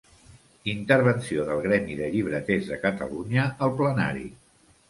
Intervenció del Gremi de Llibreters de Catalunya al plenari.